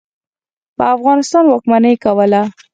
په افغانستان واکمني کوله.